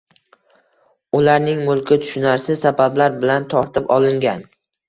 Ularning mulki tushunarsiz sabablar bilan tortib olingan.